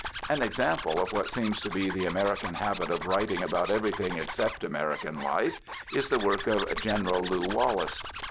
An example of what seems to be the American habit of writing about everything except American life, is the work of General Lew Wallace.